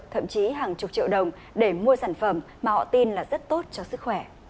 thậm chí hàng chục triệu đồng để mua sản phẩm mà họ tin là rất tốt cho sức khỏe